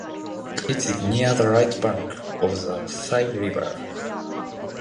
It is near the right bank of the Sai river.